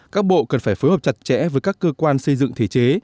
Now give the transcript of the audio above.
các bộ cần phải phối hợp chặt chẽ với các cơ quan xây dựng thể chế